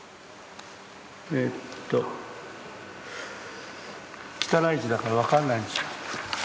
えっと汚い字だから分かんないんですよ。